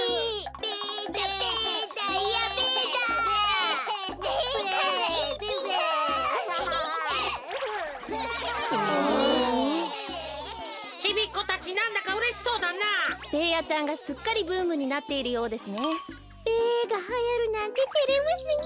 べがはやるなんててれますねえ。